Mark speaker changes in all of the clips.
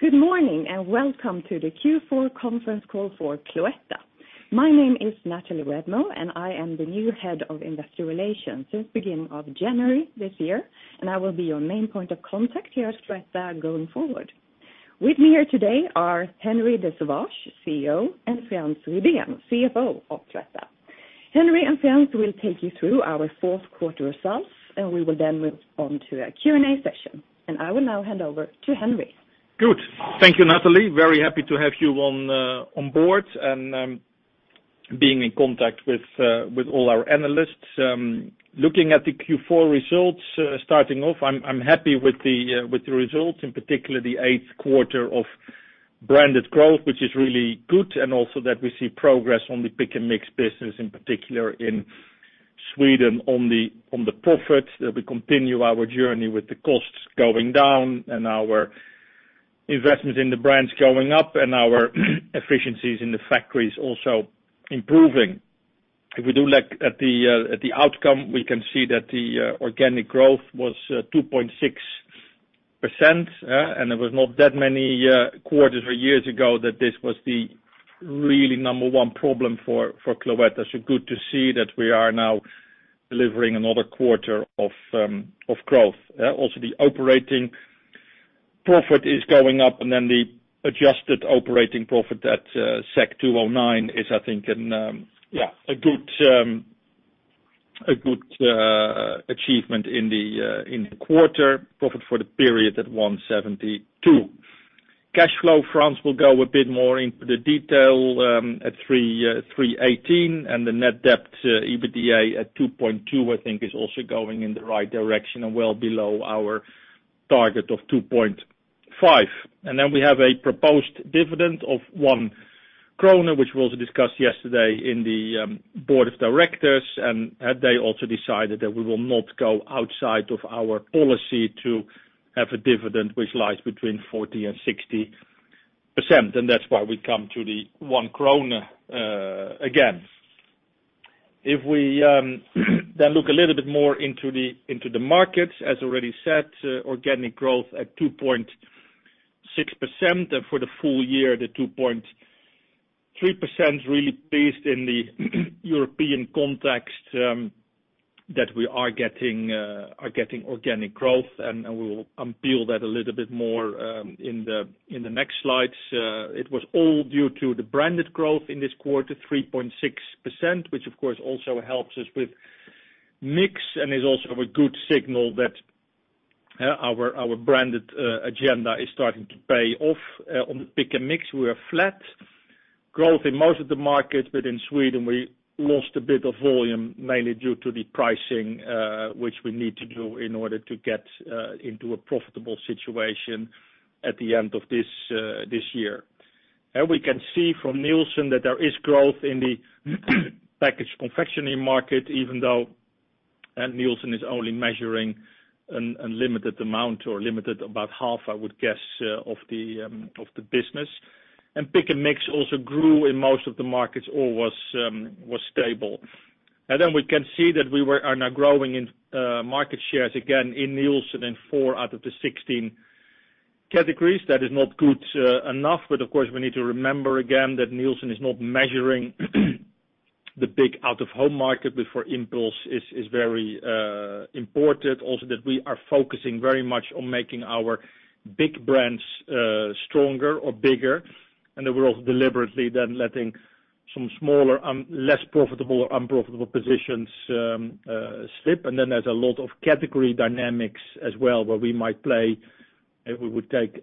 Speaker 1: Good morning and welcome to the Q4 Conference Call for Cloetta. My name is Nathalie Redmo, and I am the new Head of Investor Relations since the beginning of January this year, and I will be your main point of contact here at Cloetta going forward. With me here today are Henri de Sauvage, CEO, and Frans Rydén, CFO of Cloetta. Henri and Frans will take you through our fourth quarter results, and we will then move on to a Q&A session. I will now hand over to Henri.
Speaker 2: Good. Thank you, Nathalie. Very happy to have you on board and being in contact with all our analysts. Looking at the Q4 results, starting off, I'm happy with the results, in particular the eighth quarter of branded growth, which is really good, and also that we see progress on the pick-and-mix business, in particular in Sweden, on the profits. We continue our journey with the costs going down and our investments in the brands going up, and our efficiencies in the factories also improving. If we do look at the outcome, we can see that the organic growth was 2.6%, and it was not that many quarters or years ago that this was the really number one problem for Cloetta. So good to see that we are now delivering another quarter of growth. Also, the operating profit is going up, and then the adjusted operating profit at 209 is, I think, a good achievement in the quarter. Profit for the period at 172. Cash flow, Frans will go a bit more into the detail at 318, and the net debt EBITDA at 2.2, I think, is also going in the right direction and well below our target of 2.5. And then we have a proposed dividend of 1 kronor, which we also discussed yesterday in the board of directors, and they also decided that we will not go outside of our policy to have a dividend which lies between 40% and 60%, and that's why we come to the 1 krona again. If we then look a little bit more into the markets, as already said, organic growth at 2.6%, and for the full year, the 2.3%, really based in the European context that we are getting organic growth, and we will unveil that a little bit more in the next slides. It was all due to the branded growth in this quarter, 3.6%, which, of course, also helps us with mix and is also a good signal that our branded agenda is starting to pay off. On the pick-and-mix, we are flat. Growth in most of the markets, but in Sweden, we lost a bit of volume, mainly due to the pricing, which we need to do in order to get into a profitable situation at the end of this year. We can see from Nielsen that there is growth in the packaged confectionery market, even though Nielsen is only measuring a limited amount or limited about half, I would guess, of the business. And pick-and-mix also grew in most of the markets or was stable. And then we can see that we are now growing in market shares again in Nielsen in four out of the 16 categories. That is not good enough, but of course, we need to remember again that Nielsen is not measuring the big out-of-home market, which for Impulse is very important. Also, that we are focusing very much on making our big brands stronger or bigger, and that we're also deliberately then letting some smaller, less profitable or unprofitable positions slip. And then there's a lot of category dynamics as well where we might play. If we would take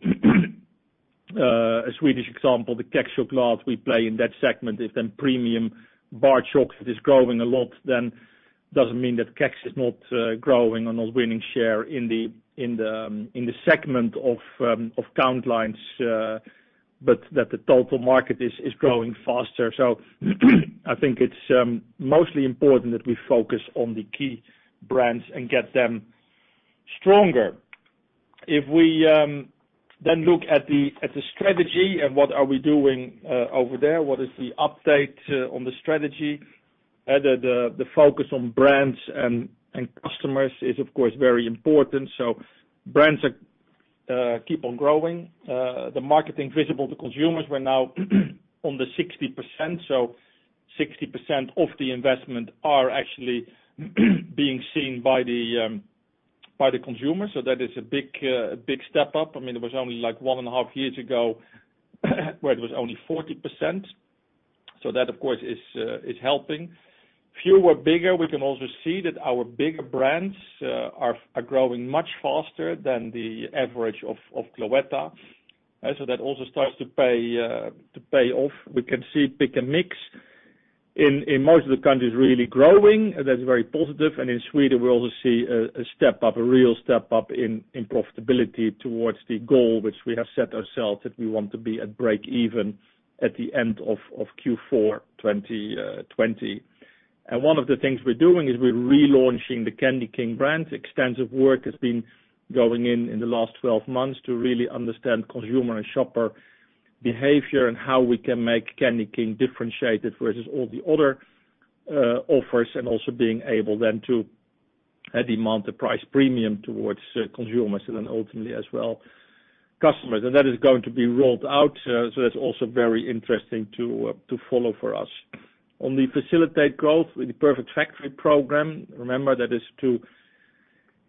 Speaker 2: a Swedish example, the Kexchoklad, we play in that segment. If then premium bar chocolate is growing a lot, then it doesn't mean that kex is not growing or not winning share in the segment of count lines, but that the total market is growing faster, so I think it's mostly important that we focus on the key brands and get them stronger. If we then look at the strategy and what are we doing over there, what is the update on the strategy? The focus on brands and customers is, of course, very important, brands keep on growing. The marketing visible to consumers, we're now on the 60%, so 60% of the investment are actually being seen by the consumers, so that is a big step up. I mean, it was only like one and a half years ago where it was only 40%. So that, of course, is helping. Fewer bigger, we can also see that our bigger brands are growing much faster than the average of Cloetta. So that also starts to pay off. We can see pick-and-mix in most of the countries really growing, and that's very positive. And in Sweden, we also see a step up, a real step up in profitability towards the goal which we have set ourselves that we want to be at break-even at the end of Q4 2020. And one of the things we're doing is we're relaunching the Candyking brand. Extensive work has been going in the last 12 months to really understand consumer and shopper behavior and how we can make Candyking differentiated versus all the other offers and also being able then to demand the price premium towards consumers and then ultimately as well customers. That is going to be rolled out. That's also very interesting to follow for us. On facilitating growth with the Perfect Factory Program, remember that is to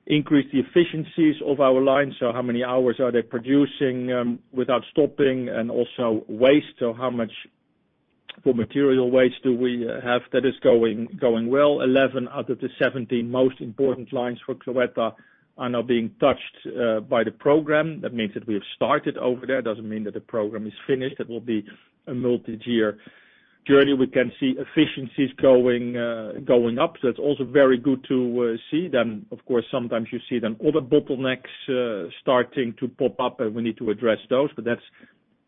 Speaker 2: increase the efficiencies of our lines. How many hours are they producing without stopping and also waste? How much material waste do we have? That is going well. 11 out of the 17 most important lines for Cloetta are now being touched by the program. That means that we have started over there. It doesn't mean that the program is finished. It will be a multi-year journey. We can see efficiencies going up. It's also very good to see. Of course, sometimes you see then other bottlenecks starting to pop up, and we need to address those, but that's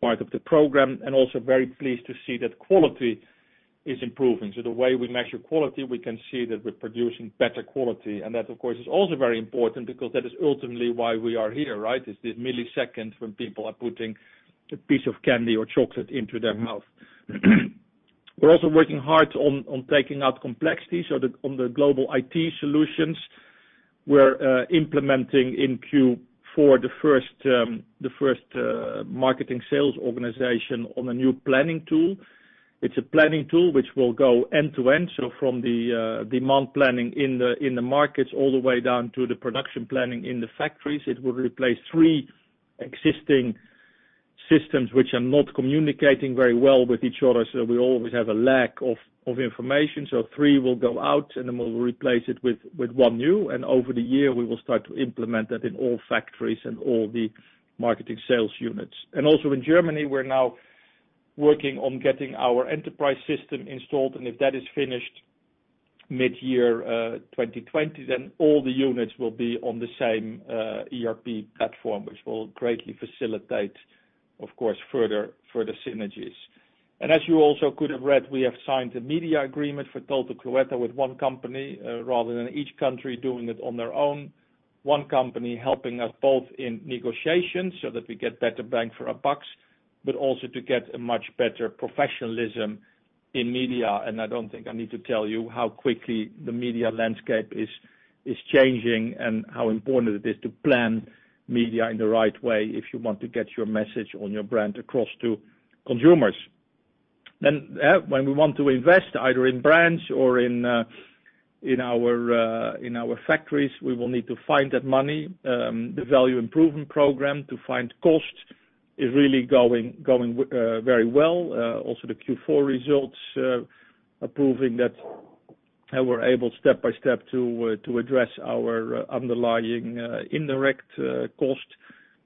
Speaker 2: part of the program. Also very pleased to see that quality is improving. So the way we measure quality, we can see that we're producing better quality. And that, of course, is also very important because that is ultimately why we are here, right? It's the milliseconds when people are putting a piece of candy or chocolate into their mouth. We're also working hard on taking out complexity. So on the global IT solutions, we're implementing in Q4 the first marketing sales organization on a new planning tool. It's a planning tool which will go end to end. So from the demand planning in the markets all the way down to the production planning in the factories, it will replace three existing systems which are not communicating very well with each other. So we always have a lag of information. So three will go out, and then we'll replace it with one new. Over the year, we will start to implement that in all factories and all the marketing sales units. Also in Germany, we're now working on getting our enterprise system installed. If that is finished mid-year 2020, then all the units will be on the same ERP platform, which will greatly facilitate, of course, further synergies. As you also could have read, we have signed a media agreement for Total Cloetta with one company rather than each country doing it on their own. One company helping us both in negotiations so that we get better bang for our bucks, but also to get a much better professionalism in media. I don't think I need to tell you how quickly the media landscape is changing and how important it is to plan media in the right way if you want to get your message on your brand across to consumers. When we want to invest either in brands or in our factories, we will need to find that money. The Value Improvement Program to find cost is really going very well. Also the Q4 results are proving that we're able step by step to address our underlying indirect cost.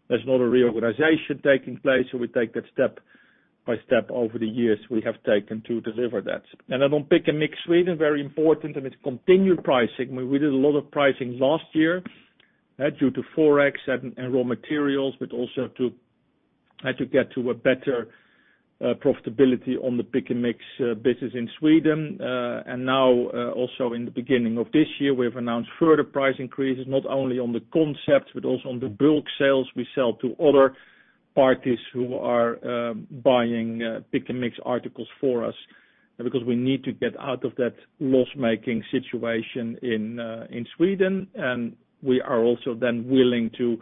Speaker 2: There's not a reorganization taking place, so we take that step by step over the years we have taken to deliver that. On Pick-and-mix Sweden, very important, and it's continued pricing. We did a lot of pricing last year due to Forex and raw materials, but also to get to a better profitability on the pick-and-mix business in Sweden. Now, also in the beginning of this year, we have announced further price increases, not only on the concepts, but also on the bulk sales we sell to other parties who are buying pick-and-mix articles for us because we need to get out of that loss-making situation in Sweden. We are also then willing to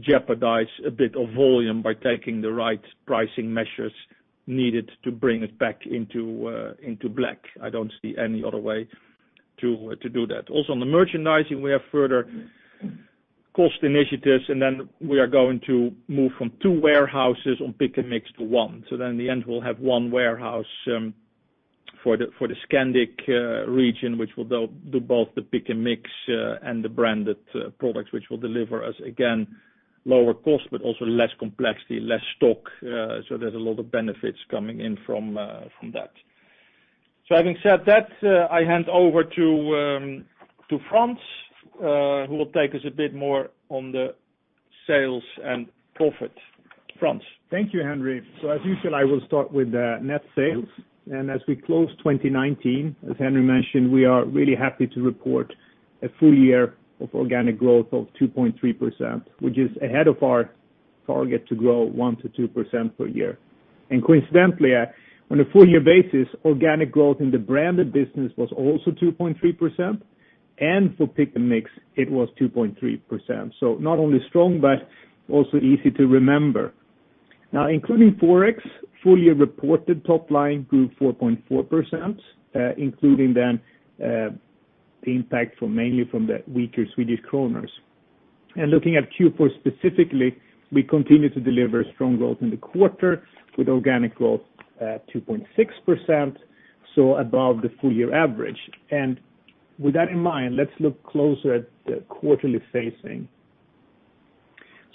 Speaker 2: jeopardize a bit of volume by taking the right pricing measures needed to bring it back into black. I don't see any other way to do that. Also on the merchandising, we have further cost initiatives, and then we are going to move from two warehouses on pick-and-mix to one. So then in the end, we'll have one warehouse for the Scandic region, which will do both the pick-and-mix and the branded products, which will deliver us again lower cost, but also less complexity, less stock. So there's a lot of benefits coming in from that. So having said that, I hand over to Frans, who will take us a bit more on the sales and profit. Frans.
Speaker 3: Thank you, Henri. So as usual, I will start with net sales. And as we close 2019, as Henri mentioned, we are really happy to report a full year of organic growth of 2.3%, which is ahead of our target to grow 1-2% per year. And coincidentally, on a four-year basis, organic growth in the branded business was also 2.3%, and for pick-and-mix, it was 2.3%. So not only strong, but also easy to remember. Now, including Forex, full-year reported top line grew 4.4%, including then the impact mainly from the weaker Swedish krona. And looking at Q4 specifically, we continue to deliver strong growth in the quarter with organic growth at 2.6%, so above the full-year average. And with that in mind, let's look closer at the quarterly figures.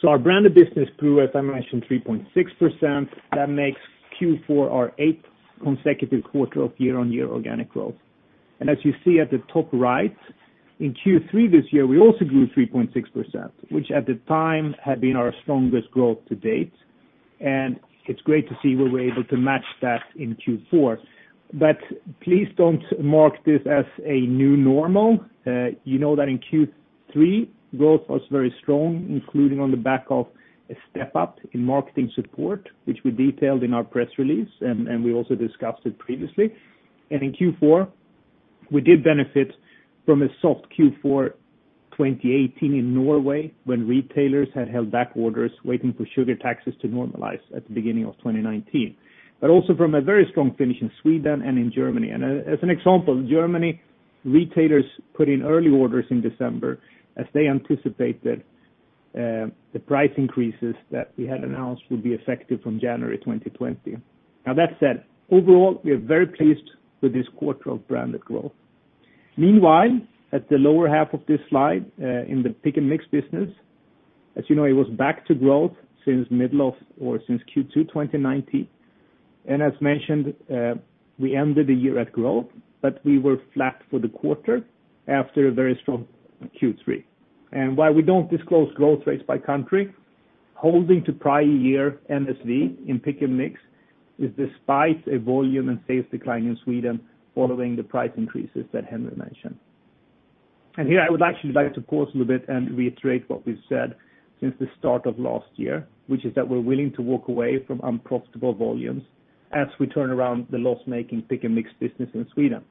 Speaker 3: So our branded business grew, as I mentioned, 3.6%. That makes Q4 our eighth consecutive quarter of year-on-year organic growth, and as you see at the top right, in Q3 this year, we also grew 3.6%, which at the time had been our strongest growth to date, and it's great to see where we're able to match that in Q4, but please don't mark this as a new normal. You know that in Q3, growth was very strong, including on the back of a step up in marketing support, which we detailed in our press release, and we also discussed it previously, and in Q4, we did benefit from a soft Q4 2018 in Norway when retailers had held back orders waiting for sugar taxes to normalize at the beginning of 2019, but also from a very strong finish in Sweden and in Germany. As an example, Germany retailers put in early orders in December as they anticipated the price increases that we had announced would be effective from January 2020. Now, that said, overall, we are very pleased with this quarter of branded growth. Meanwhile, at the lower half of this slide in the pick-and-mix business, as you know, it was back to growth since Q2 2019. As mentioned, we ended the year at growth, but we were flat for the quarter after a very strong Q3. While we don't disclose growth rates by country, holding to prior year NSV in pick-and-mix is despite a volume and sales decline in Sweden following the price increases that Henri mentioned. Here, I would actually like to pause a little bit and reiterate what we've said since the start of last year, which is that we're willing to walk away from unprofitable volumes as we turn around the loss-making pick-and-mix business in Sweden.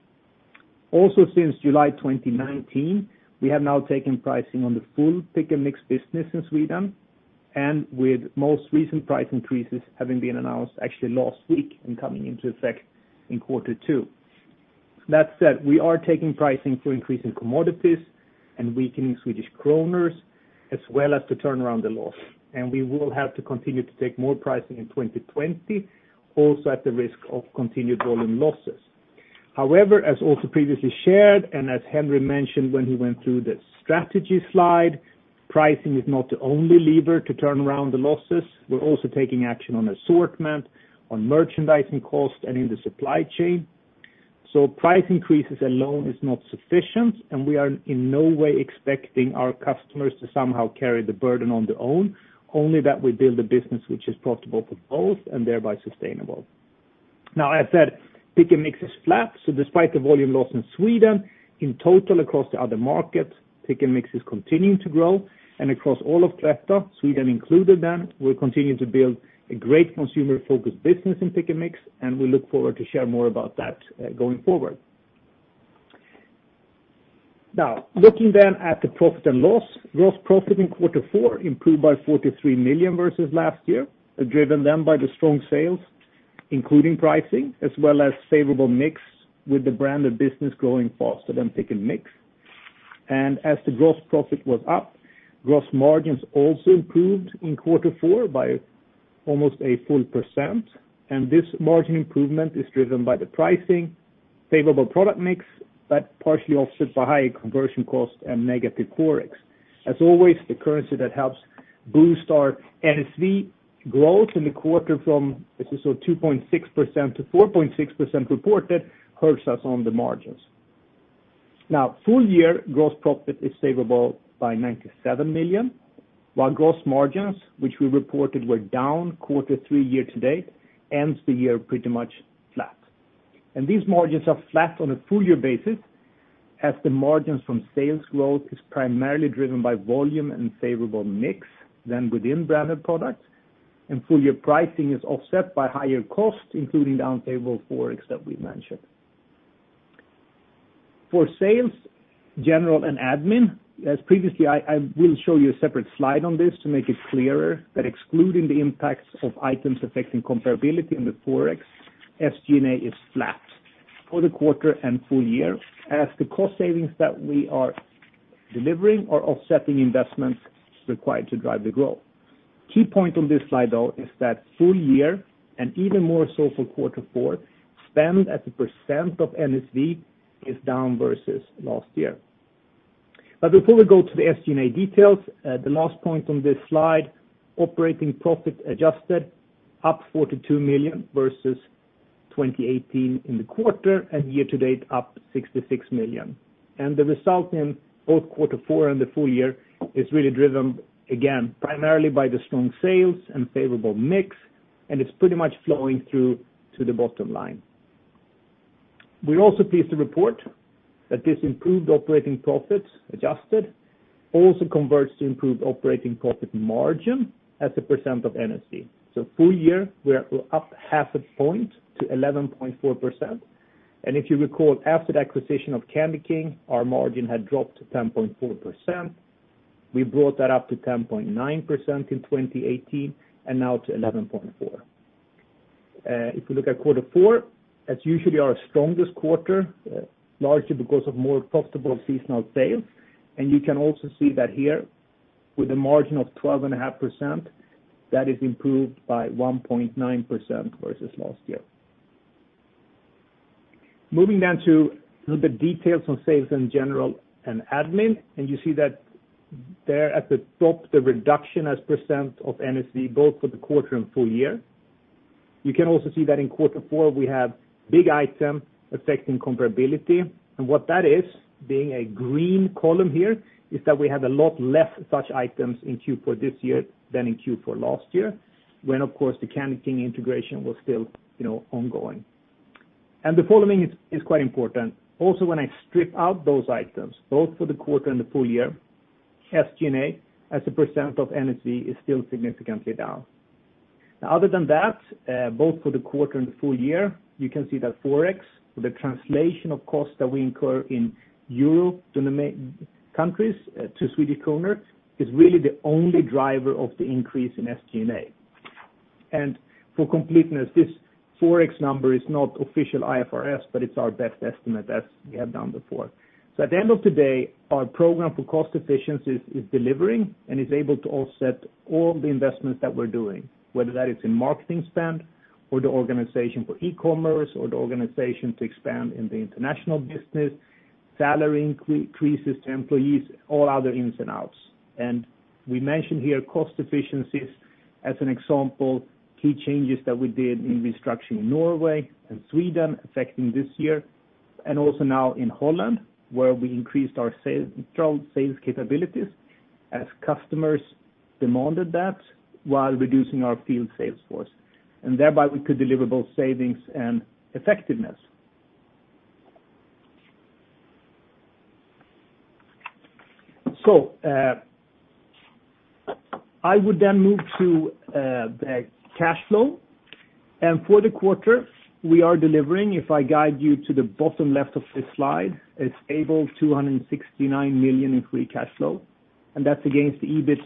Speaker 3: Also, since July 2019, we have now taken pricing on the full pick-and-mix business in Sweden, and with most recent price increases having been announced actually last week and coming into effect in quarter two. That said, we are taking pricing for increasing commodities and weakening Swedish krona as well as to turn around the loss. We will have to continue to take more pricing in 2020, also at the risk of continued volume losses. However, as also previously shared and as Henri mentioned when he went through the strategy slide, pricing is not the only lever to turn around the losses. We're also taking action on assortment, on merchandising cost, and in the supply chain. Price increases alone is not sufficient, and we are in no way expecting our customers to somehow carry the burden on their own, only that we build a business which is profitable for both and thereby sustainable. Now, as said, pick-and-mix is flat. Despite the volume loss in Sweden, in total across the other markets, pick-and-mix is continuing to grow. Across all of Cloetta, Sweden included then, we're continuing to build a great consumer-focused business in pick-and-mix, and we look forward to share more about that going forward. Now, looking then at the profit and loss, gross profit in quarter four improved by 43 million versus last year, driven then by the strong sales, including pricing, as well as favorable mix with the branded business growing faster than pick-and-mix. As the gross profit was up, gross margins also improved in quarter four by almost a full percent. This margin improvement is driven by the pricing, favorable product mix, but partially offset by higher conversion cost and negative forex. As always, the currency that helps boost our NSV growth in the quarter from this is 2.6%-4.6% reported hurts us on the margins. Now, full-year gross profit is favorable by 97 million, while gross margins, which we reported were down quarter three year to date, ends the year pretty much flat. These margins are flat on a full-year basis as the margins from sales growth is primarily driven by volume and favorable mix than within branded products. Full-year pricing is offset by higher cost, including the unfavorable forex that we mentioned. For sales, general and admin, as previously, I will show you a separate slide on this to make it clearer that excluding the impacts of items affecting comparability in the forex, SG&A is flat for the quarter and full year as the cost savings that we are delivering are offsetting investments required to drive the growth. Key point on this slide, though, is that full year, and even more so for quarter four, spend at a % of NSV is down versus last year. But before we go to the SG&A details, the last point on this slide, operating profit adjusted, up 42 million versus 2018 in the quarter and year to date up 66 million. And the result in both quarter four and the full year is really driven, again, primarily by the strong sales and favorable mix, and it's pretty much flowing through to the bottom line. We're also pleased to report that this improved operating profit adjusted also converts to improved operating profit margin as a percent of NSV, so full year, we're up half a point to 11.4%, and if you recall, after the acquisition of Candyking, our margin had dropped to 10.4%. We brought that up to 10.9% in 2018 and now to 11.4%. If we look at quarter four, that's usually our strongest quarter, largely because of more profitable seasonal sales, and you can also see that here with a margin of 12.5%, that is improved by 1.9% versus last year. Moving then to the details on SG&A, and you see that there at the top, the reduction as a percent of NSV both for the quarter and full year. You can also see that in quarter four, we have big items affecting comparability. What that is, being a green column here, is that we have a lot less such items in Q4 this year than in Q4 last year when, of course, the Candyking integration was still ongoing. The following is quite important. Also, when I strip out those items, both for the quarter and the full year, SG&A as a % of NSV is still significantly down. Now, other than that, both for the quarter and the full year, you can see that forex, the translation of costs that we incur in Euro to the main countries to Swedish kroner, is really the only driver of the increase in SG&A. For completeness, this forex number is not official IFRS, but it's our best estimate as we have done before. So at the end of the day, our program for cost efficiencies is delivering and is able to offset all the investments that we're doing, whether that is in marketing spend or the organization for e-commerce or the organization to expand in the international business, salary increases to employees, all other ins and outs, and we mentioned here cost efficiencies as an example, key changes that we did in restructuring Norway and Sweden affecting this year, and also now in Holland where we increased our central sales capabilities as customers demanded that while reducing our field sales force, and thereby we could deliver both savings and effectiveness, so I would then move to the cash flow, and for the quarter, we are delivering, if I guide you to the bottom left of this slide, a stable 269 million in free cash flow. That's against the EBIT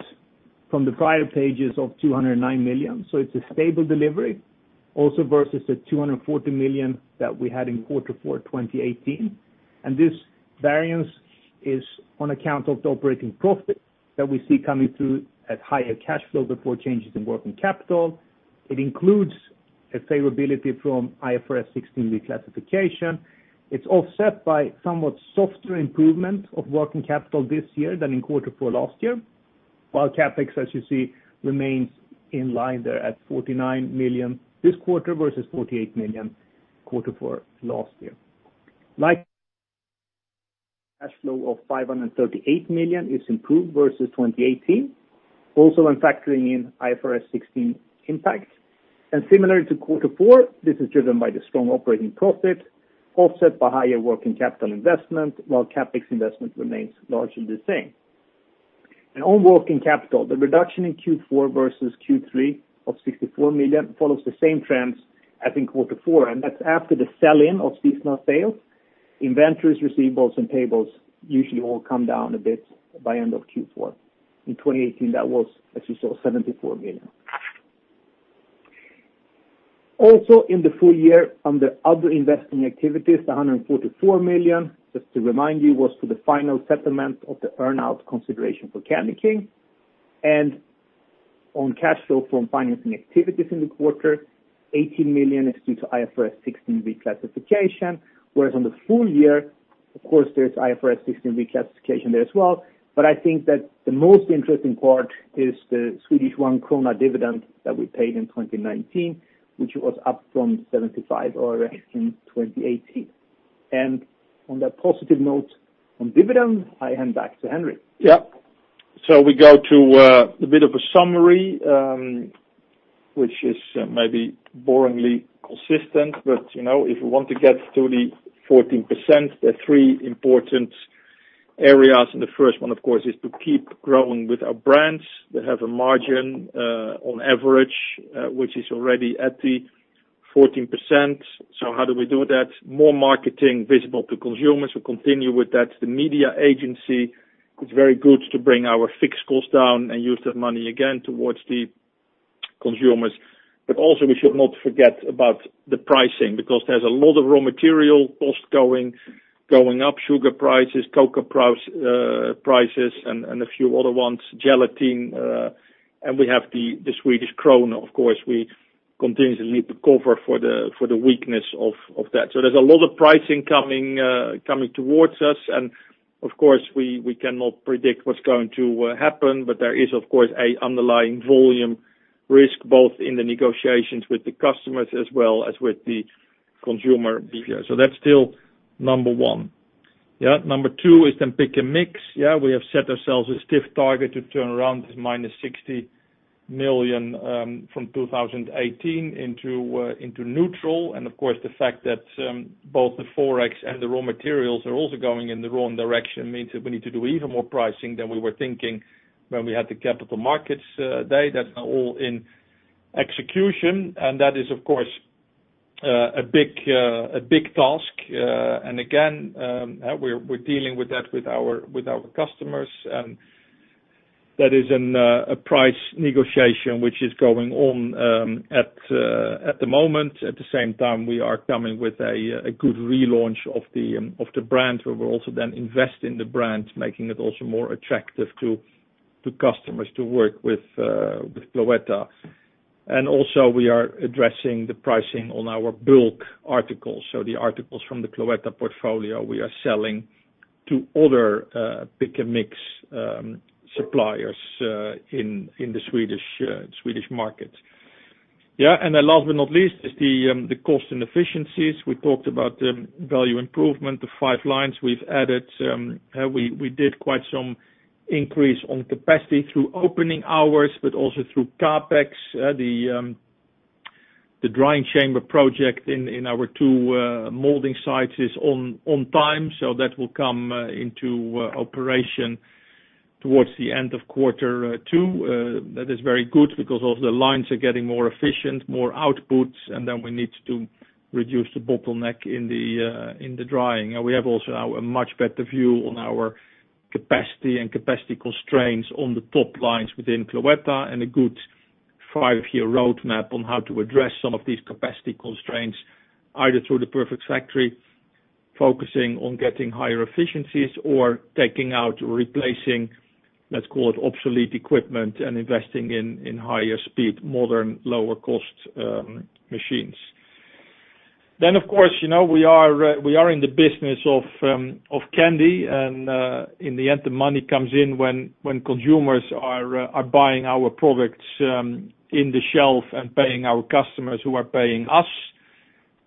Speaker 3: from the prior pages of 209 million. So it's a stable delivery also versus the 240 million that we had in quarter four 2018. And this variance is on account of the operating profit that we see coming through as higher cash flow before changes in working capital. It includes a favorability from IFRS 16 reclassification. It's offset by somewhat softer improvement of working capital this year than in quarter four last year, while CapEx, as you see, remains in line there at 49 million this quarter versus 48 million quarter four last year. Free cash flow of 538 million is improved versus 2018, also when factoring in IFRS 16 impact. And similar to quarter four, this is driven by the strong operating profit, offset by higher working capital investment, while CapEx investment remains largely the same. And on working capital, the reduction in Q4 versus Q3 of 64 million follows the same trends as in quarter four. And that's after the sell-in of seasonal sales. Inventories, receivables, and payables usually all come down a bit by end of Q4. In 2018, that was, as you saw, 74 million. Also, in the full year, under other investing activities, 144 million, just to remind you, was for the final settlement of the earnout consideration for Candyking. And on cash flow from financing activities in the quarter, 18 million is due to IFRS 16 reclassification, whereas on the full year, of course, there's IFRS 16 reclassification there as well. But I think that the most interesting part is the Swedish one krona dividend that we paid in 2019, which was up from 0.75 in 2018. And on that positive note on dividend, I hand back to Henri.
Speaker 2: Yep. So we go to a bit of a summary, which is maybe boringly consistent, but if we want to get to the 14%, there are three important areas. And the first one, of course, is to keep growing with our brands that have a margin on average, which is already at the 14%. So how do we do that? More marketing visible to consumers. We continue with that. The media agency is very good to bring our fixed costs down and use that money again towards the consumers. But also, we should not forget about the pricing because there's a lot of raw material cost going up: sugar prices, cocoa prices, and a few other ones, gelatin. And we have the Swedish krona, of course. We continuously cover for the weakness of that. So there's a lot of pricing coming towards us. Of course, we cannot predict what's going to happen, but there is, of course, an underlying volume risk both in the negotiations with the customers as well as with the consumer. So that's still number one. Yeah. Number two is then pick and mix. Yeah. We have set ourselves a stiff target to turn around this -60 million from 2018 into neutral. And of course, the fact that both the forex and the raw materials are also going in the wrong direction means that we need to do even more pricing than we were thinking when we had the capital markets day. That's all in execution. And that is, of course, a big task. And again, we're dealing with that with our customers. And that is a price negotiation which is going on at the moment. At the same time, we are coming with a good relaunch of the brand where we're also then investing in the brand, making it also more attractive to customers to work with Cloetta, and also, we are addressing the pricing on our bulk articles. So the articles from the Cloetta portfolio, we are selling to other pick and mix suppliers in the Swedish market. Yeah, and last but not least is the cost and efficiencies. We talked about the value improvement, the five lines we've added. We did quite some increase on capacity through opening hours, but also through CapEx. The drying chamber project in our two molding sites is on time. So that will come into operation towards the end of quarter two. That is very good because all the lines are getting more efficient, more output, and then we need to reduce the bottleneck in the drying. We have also now a much better view on our capacity and capacity constraints on the top lines within Cloetta and a good five-year roadmap on how to address some of these capacity constraints, either through the Perfect Factory, focusing on getting higher efficiencies or taking out or replacing, let's call it obsolete equipment, and investing in higher speed, modern, lower-cost machines. Then, of course, we are in the business of candy. And in the end, the money comes in when consumers are buying our products on the shelf and paying our customers who are paying us.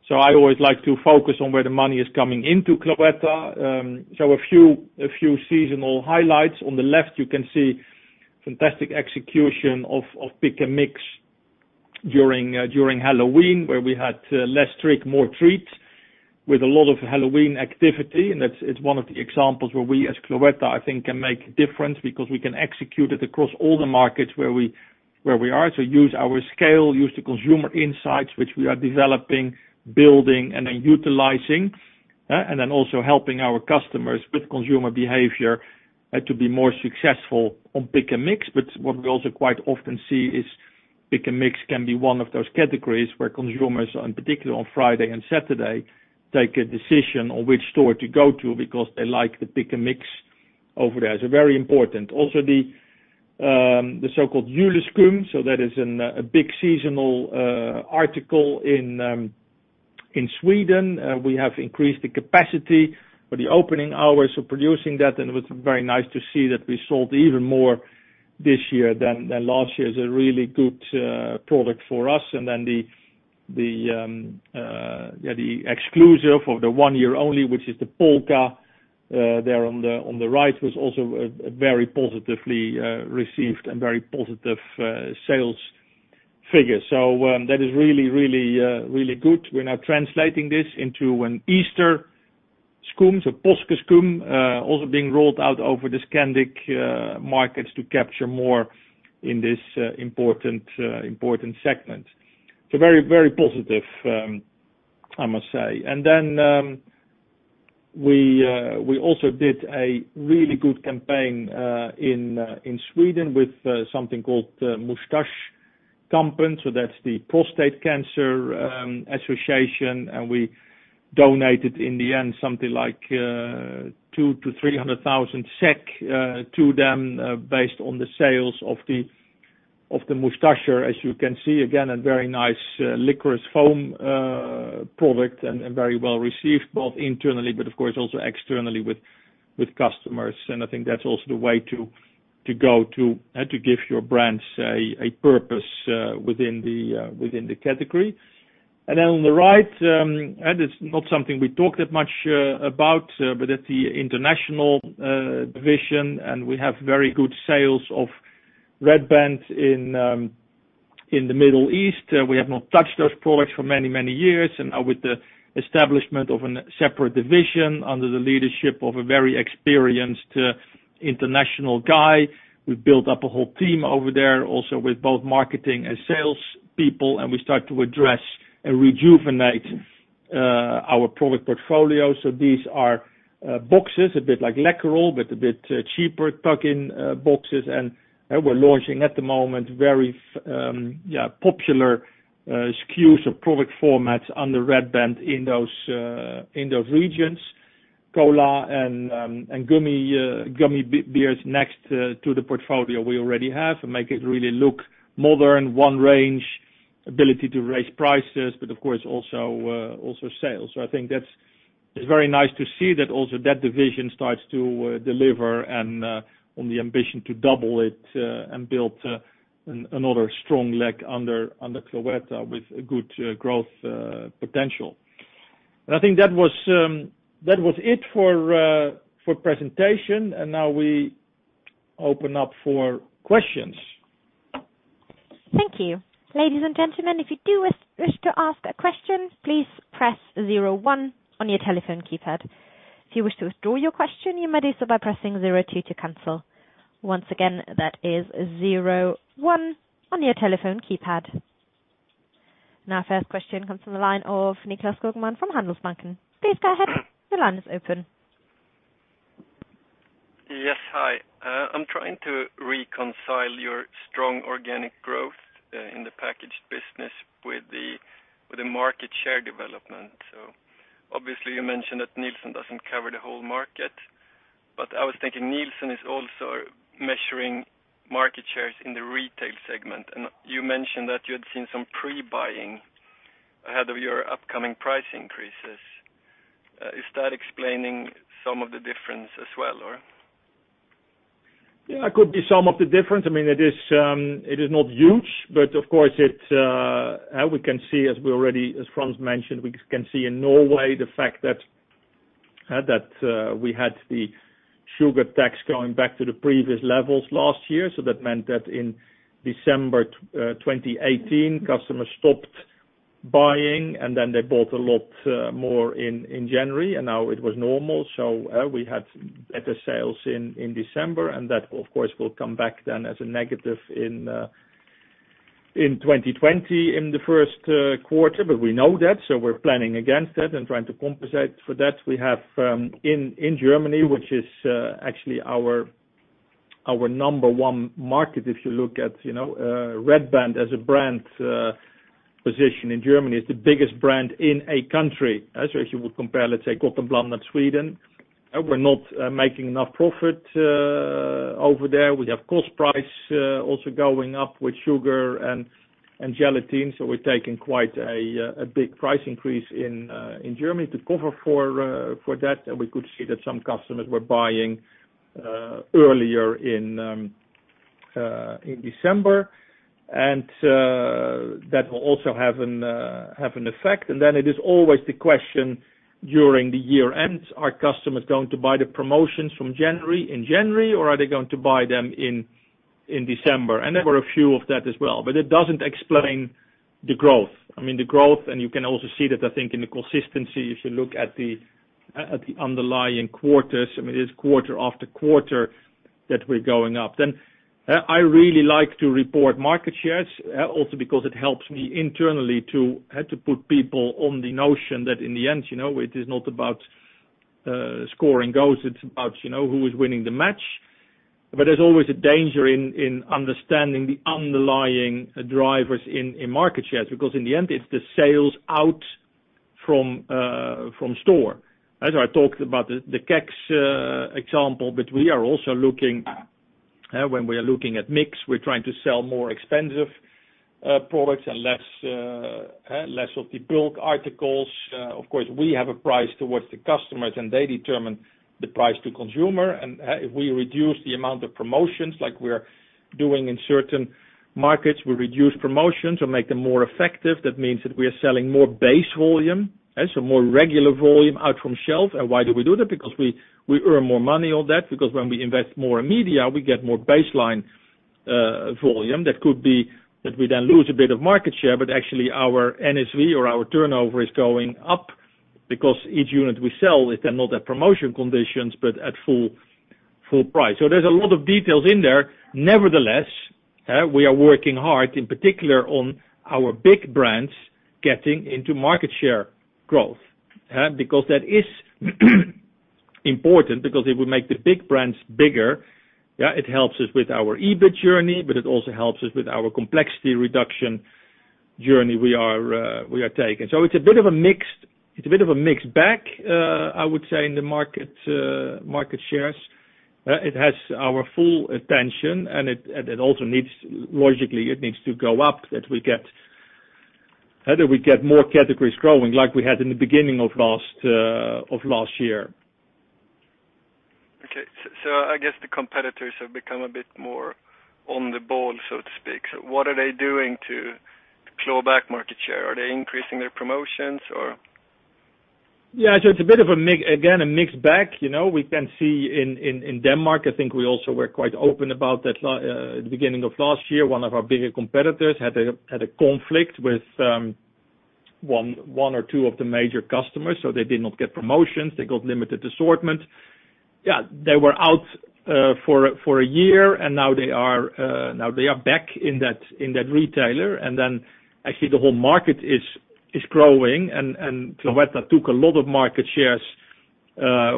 Speaker 2: So I always like to focus on where the money is coming into Cloetta. So a few seasonal highlights. On the left, you can see fantastic execution of pick-and-mix during Halloween, where we had less trick, more treats with a lot of Halloween activity. And it's one of the examples where we, as Cloetta, I think can make a difference because we can execute it across all the markets where we are. So use our scale, use the consumer insights, which we are developing, building, and then utilizing, and then also helping our customers with consumer behavior to be more successful on pick and mix. But what we also quite often see is pick and mix can be one of those categories where consumers, in particular on Friday and Saturday, take a decision on which store to go to because they like the pick and mix over there. So very important. Also, the so-called Juleskum. So that is a big seasonal article in Sweden. We have increased the capacity for the opening hours of producing that. And it was very nice to see that we sold even more this year than last year. It's a really good product for us, and then the exclusive of the one year only, which is the Polka there on the right, was also very positively received and very positive sales figure. That is really, really, really good. We're now translating this into an Easter skum, so Påskeskum, also being rolled out over the Scandic markets to capture more in this important segment. Very, very positive, I must say. We also did a really good campaign in Sweden with something called Mustaschkampen. That's the Prostate Cancer Association. We donated, in the end, something like 200,000-300,000 SEK to them based on the sales of the Mustache, as you can see, again, a very nice licorice foam product and very well received both internally, but of course, also externally with customers. I think that's also the way to go to give your brands a purpose within the category. Then on the right, and it's not something we talked that much about, but it's the international division. We have very good sales of Red Band in the Middle East. We have not touched those products for many, many years. Now, with the establishment of a separate division under the leadership of a very experienced international guy, we built up a whole team over there, also with both marketing and sales people. We start to address and rejuvenate our product portfolio. These are boxes, a bit like Läkerol, but a bit cheaper tuck-in boxes. We're launching at the moment very popular SKUs or product formats under Red Band in those regions. Cola and gummy bears next to the portfolio we already have and make it really look modern, one range, ability to raise prices, but of course, also sales. So I think that's very nice to see that also that division starts to deliver and on the ambition to double it and build another strong leg under Cloetta with good growth potential. And I think that was it for presentation. And now we open up for questions.
Speaker 4: Thank you. Ladies and gentlemen, if you do wish to ask a question, please press 01 on your telephone keypad. If you wish to withdraw your question, you may do so by pressing 02 to cancel. Once again, that is 01 on your telephone keypad. Now, our first question comes from the line of Nicklas Skogman from Handelsbanken. Please go ahead. The line is open.
Speaker 5: Yes. Hi. I'm trying to reconcile your strong organic growth in the packaged business with the market share development. So obviously, you mentioned that Nielsen doesn't cover the whole market, but I was thinking Nielsen is also measuring market shares in the retail segment. And you mentioned that you had seen some pre-buying ahead of your upcoming price increases. Is that explaining some of the difference as well, or?
Speaker 2: Yeah. It could be some of the difference. I mean, it is not huge, but of course, we can see, as we already as Frans mentioned, we can see in Norway the fact that we had the sugar tax going back to the previous levels last year. So that meant that in December 2018, customers stopped buying, and then they bought a lot more in January. And now it was normal. So we had better sales in December. That, of course, will come back then as a negative in 2020 in the first quarter, but we know that. So we're planning against that and trying to compensate for that.
Speaker 3: We have in Germany, which is actually our number one market. If you look at Red Band as a brand, position in Germany is the biggest brand in a country. So if you would compare, let's say, Gott & Blandat at Sweden, we're not making enough profit over there. We have cost price also going up with sugar and gelatin. So we're taking quite a big price increase in Germany to cover for that. And we could see that some customers were buying earlier in December. And that will also have an effect. And then it is always the question during the year ends, are customers going to buy the promotions in January, or are they going to buy them in December? And there were a few of that as well. But it doesn't explain the growth. I mean, the growth, and you can also see that, I think, in the consistency if you look at the underlying quarters. I mean, it is quarter after quarter that we're going up. Then I really like to report market shares also because it helps me internally to put people on the notion that in the end, it is not about scoring goals. It's about who is winning the match. But there's always a danger in understanding the underlying drivers in market shares because in the end, it's the sales out from store. So I talked about the KEX example, but we are also looking at mix. We're trying to sell more expensive products and less of the bulk articles. Of course, we have a price towards the customers, and they determine the price to consumer. And if we reduce the amount of promotions like we're doing in certain markets or make them more effective, that means that we are selling more base volume, so more regular volume out from shelf. And why do we do that? Because we earn more money on that. Because when we invest more in media, we get more baseline volume. That could be that we then lose a bit of market share, but actually our NSV or our turnover is going up because each unit we sell is then not at promotion conditions, but at full price. So there's a lot of details in there. Nevertheless, we are working hard, in particular on our big brands getting into market share growth because that is important because if we make the big brands bigger, it helps us with our EBIT journey, but it also helps us with our complexity reduction journey we are taking. So it's a bit of a mixed bag, I would say, in the market shares. It has our full attention, and it also needs logically to go up that we get more categories growing like we had in the beginning of last year.
Speaker 5: Okay. So I guess the competitors have become a bit more on the ball, so to speak. So what are they doing to claw back market share? Are they increasing their promotions, or?
Speaker 3: Yeah. So it's a bit of a, again, a mixed bag. We can see in Denmark. I think we also were quite open about that at the beginning of last year. One of our bigger competitors had a conflict with one or two of the major customers. So they did not get promotions. They got limited assortment. Yeah. They were out for a year, and now they are back in that retailer. And then actually, the whole market is growing, and Cloetta took a lot of market shares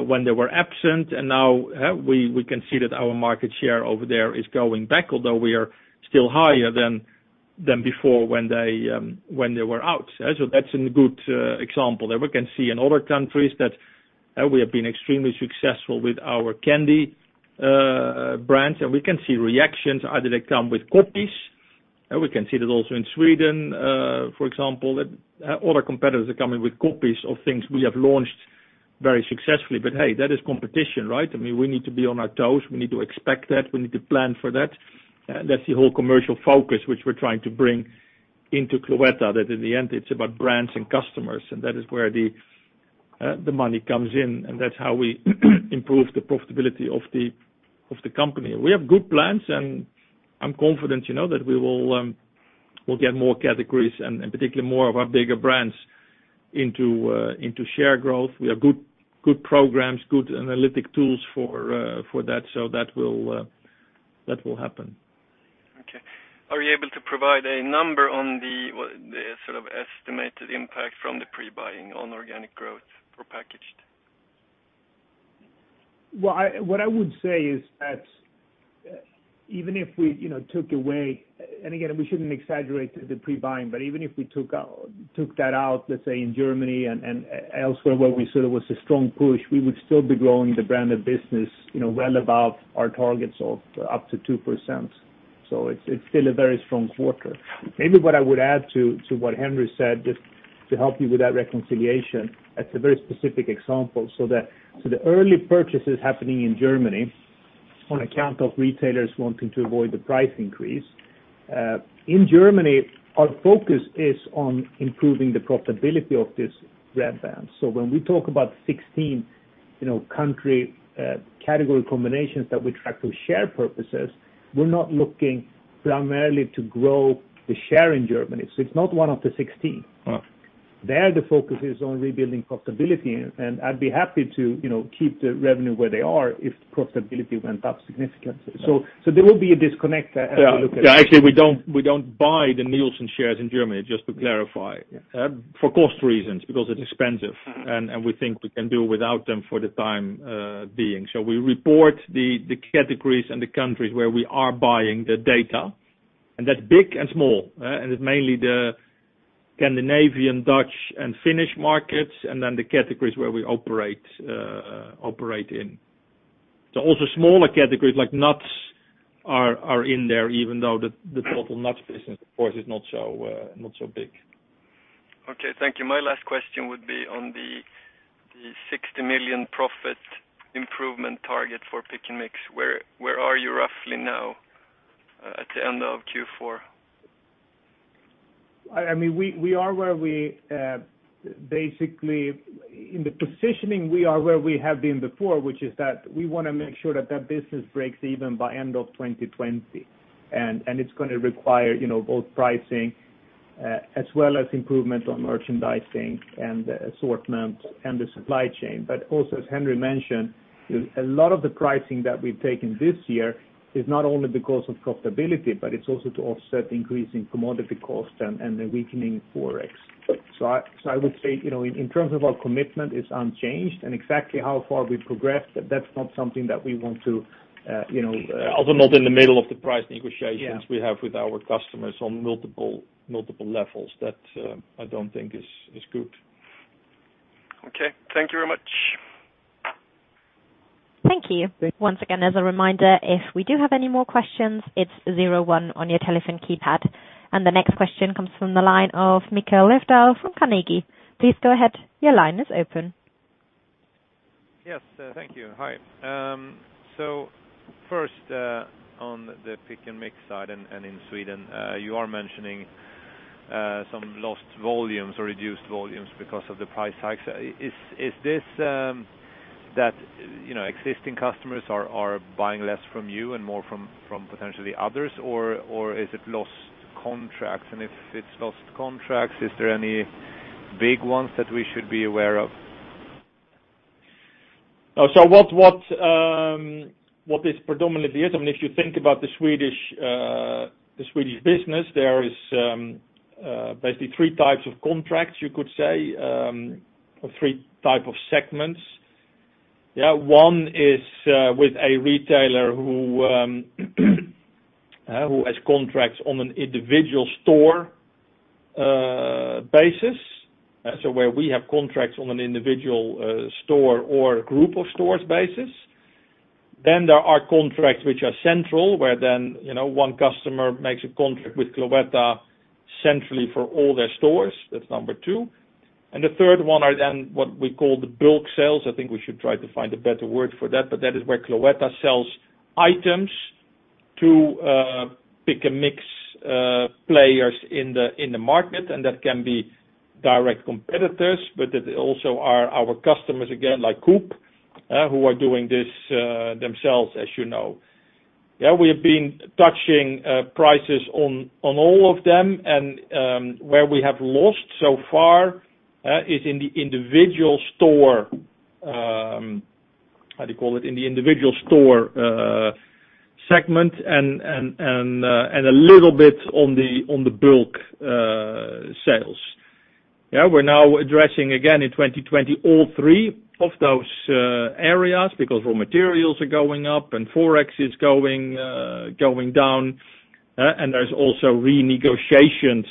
Speaker 3: when they were absent. And now we can see that our market share over there is going back, although we are still higher than before when they were out. So that's a good example. And we can see in other countries that we have been extremely successful with our candy brands, and we can see reactions. Either they come with copies. We can see that also in Sweden, for example, that other competitors are coming with copies of things we have launched very successfully. But hey, that is competition, right? I mean, we need to be on our toes. We need to expect that. We need to plan for that. And that's the whole commercial focus which we're trying to bring into Cloetta, that in the end, it's about brands and customers. And that is where the money comes in. And that's how we improve the profitability of the company. We have good plans, and I'm confident that we will get more categories and particularly more of our bigger brands into share growth. We have good programs, good analytic tools for that. So that will happen.
Speaker 5: Okay. Are you able to provide a number on the sort of estimated impact from the pre-buying on organic growth for packaged?
Speaker 3: What I would say is that even if we took away and again, we shouldn't exaggerate the pre-buying, but even if we took that out, let's say in Germany and elsewhere where we said it was a strong push, we would still be growing the branded business well above our targets of up to 2%. So it's still a very strong quarter. Maybe what I would add to what Henri said, just to help you with that reconciliation, that's a very specific example. So the early purchases happening in Germany on account of retailers wanting to avoid the price increase. In Germany, our focus is on improving the profitability of this Red Band. So when we talk about 16 country category combinations that we track for share purposes, we're not looking primarily to grow the share in Germany. So it's not one of the 16. There, the focus is on rebuilding profitability. And I'd be happy to keep the revenue where they are if profitability went up significantly. So there will be a disconnect as we look at it.
Speaker 2: Yeah. Actually, we don't buy the Nielsen shares in Germany, just to clarify, for cost reasons because it's expensive. And we think we can do without them for the time being. So we report the categories and the countries where we are buying the data. And that's big and small. And it's mainly the Scandinavian, Dutch, and Finnish markets, and then the categories where we operate in. So also smaller categories like nuts are in there, even though the total nuts business, of course, is not so big.
Speaker 5: Okay. Thank you. My last question would be on the 60 million profit improvement target for pick and mix. Where are you roughly now at the end of Q4?
Speaker 3: I mean, we are where we basically in the positioning, we are where we have been before, which is that we want to make sure that business breaks even by end of 2020. And it's going to require both pricing as well as improvement on merchandising and assortment and the supply chain. But also, as Henri mentioned, a lot of the pricing that we've taken this year is not only because of profitability, but it's also to offset increasing commodity cost and the weakening Forex. So I would say in terms of our commitment, it's unchanged. And exactly how far we progressed, that's not something that we want to. Also not in the middle of the price negotiations we have with our customers on multiple levels. That I don't think is good.
Speaker 5: Okay. Thank you very much.
Speaker 4: Thank you. Once again, as a reminder, if we do have any more questions, it's 01 on your telephone keypad, and the next question comes from the line of Mikael Rydell from Carnegie. Please go ahead. Your line is open.
Speaker 6: Yes. Thank you. Hi. So first, on the pick and mix side and in Sweden, you are mentioning some lost volumes or reduced volumes because of the price hikes. Is this that existing customers are buying less from you and more from potentially others, or is it lost contracts? And if it's lost contracts, is there any big ones that we should be aware of? So what is predominantly the issue? I mean, if you think about the Swedish business, there is basically three types of contracts, you could say, or three types of segments.
Speaker 2: Yeah. One is with a retailer who has contracts on an individual store basis, so where we have contracts on an individual store or group of stores basis. Then there are contracts which are central, where then one customer makes a contract with Cloetta centrally for all their stores. That's number two. And the third one are then what we call the bulk sales. I think we should try to find a better word for that, but that is where Cloetta sells items to pick and mix players in the market. And that can be direct competitors, but it also are our customers, again, like Coop, who are doing this themselves, as you know. Yeah. We have been touching prices on all of them. And where we have lost so far is in the individual store, how do you call it, in the individual store segment and a little bit on the bulk sales. Yeah. We're now addressing, again, in 2020, all three of those areas because raw materials are going up and forex is going down. And there's also renegotiations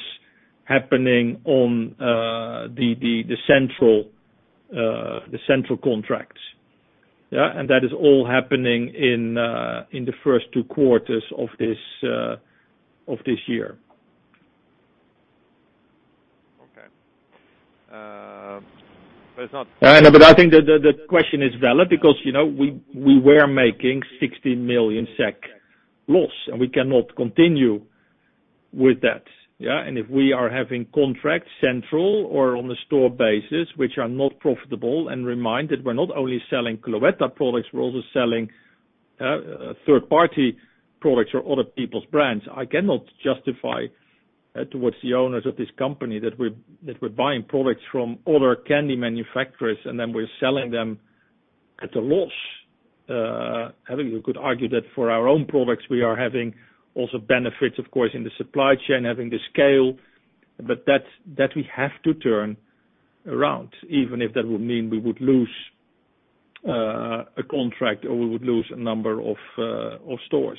Speaker 2: happening on the central contracts. Yeah. And that is all happening in the first two quarters of this year.
Speaker 6: Okay. But it's not.
Speaker 2: But I think that the question is valid because we were making 60 million SEK loss, and we cannot continue with that. Yeah. And if we are having contracts centrally or on the store basis, which are not profitable, and remember that we're not only selling Cloetta products, we're also selling third-party products or other people's brands, I cannot justify towards the owners of this company that we're buying products from other candy manufacturers and then we're selling them at a loss. I think you could argue that for our own products, we are having also benefits, of course, in the supply chain, having the scale, but that we have to turn around, even if that would mean we would lose a contract or we would lose a number of stores.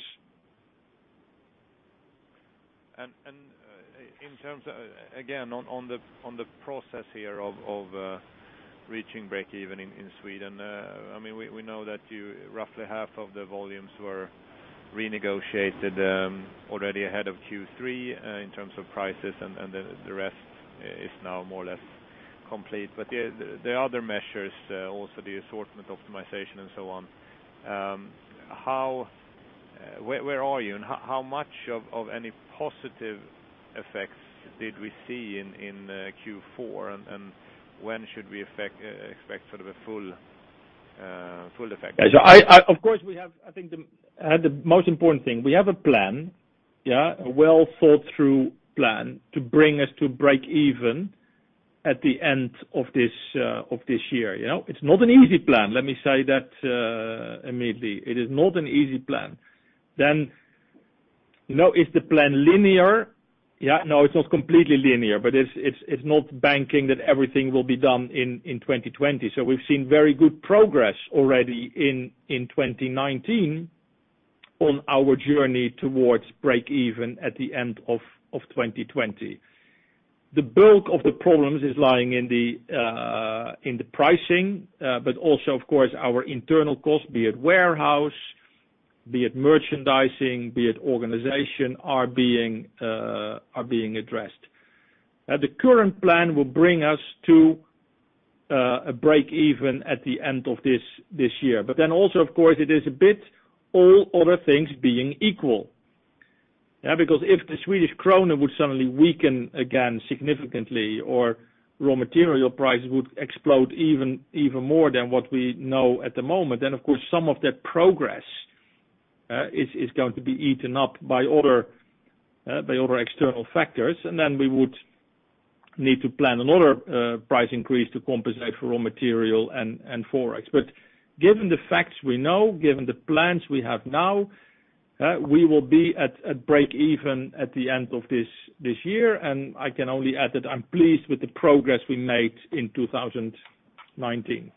Speaker 6: And in terms of, again, on the process here of reaching breakeven in Sweden, I mean, we know that roughly half of the volumes were renegotiated already ahead of Q3 in terms of prices, and the rest is now more or less complete. But the other measures, also the assortment optimization and so on, where are you? And how much of any positive effects did we see in Q4, and when should we expect sort of a full effect?
Speaker 2: Yeah. So of course, we have, I think, the most important thing. We have a plan, yeah, a well-thought-through plan to bring us to breakeven at the end of this year. It's not an easy plan. Let me say that immediately. It is not an easy plan. Then is the plan linear? Yeah. No, it's not completely linear, but it's not banking that everything will be done in 2020. We've seen very good progress already in 2019 on our journey towards breakeven at the end of 2020. The bulk of the problems is lying in the pricing, but also, of course, our internal costs, be it warehouse, be it merchandising, be it organization, are being addressed. The current plan will bring us to a breakeven at the end of this year. But then also, of course, it is a bit all other things being equal. Yeah. Because if the Swedish krona would suddenly weaken again significantly or raw material prices would explode even more than what we know at the moment, then, of course, some of that progress is going to be eaten up by other external factors. And then we would need to plan another price increase to compensate for raw material and forex. But given the facts we know, given the plans we have now, we will be at breakeven at the end of this year. And I can only add that I'm pleased with the progress we made in 2019.